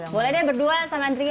boleh deh berdua sama dri